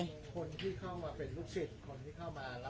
คนที่เข้ามาเป็นลูกศิษย์